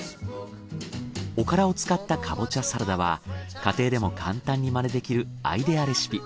おからを使ったかぼちゃサラダは家庭でも簡単に真似できるアイデアレシピ。